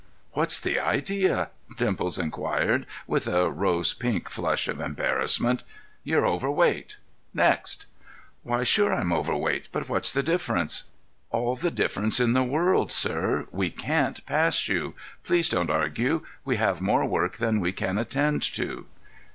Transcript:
"What's the idea?" Dimples inquired, with a rose pink flush of embarrassment. "You're overweight. Next!" "Why, sure I'm overweight; but what's the difference?" "All the difference in the world, sir. We can't pass you. Please don't argue. We have more work than we can attend to."